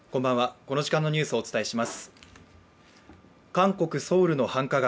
韓国ソウルの繁華街